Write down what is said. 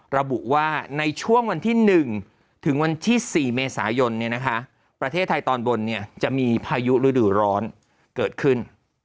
ระบุว่าในช่วงวันที่๑ถึง๙๔เมษายนเนี่ยนะคะประเทศไทยตอนบนเนี่ยจะมีพายุฤดูร้อนเกิดขึ้น